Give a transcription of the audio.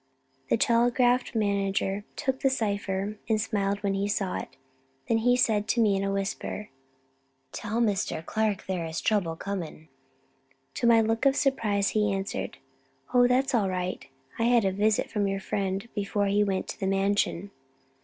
The telegraph manager took the cipher and smiled when he saw it. Then he said to me in a whisper: "Tell Mr. Clark there is trouble coming." To my look of surprise he answered: "Oh, that's all right; I had a visit from your friend before he went to the Mansion."